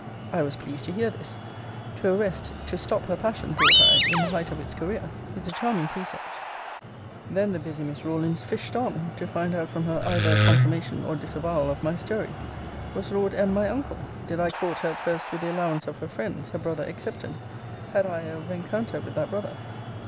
I was pleased to hear this. To arrest, to stop her passion, thought I, in the height of its career, is a charming presage. Then the busy Miss Rawlins fished on, to find out from her either a confirmation or disavowal of my story Was Lord M. my uncle? Did I court her at first with the allowance of her friends, her brother excepted? Had I a rencounter with that brother?